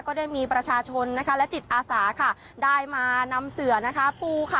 ก็ได้มีประชาชนนะคะและจิตอาสาค่ะได้มานำเสือนะคะปูค่ะ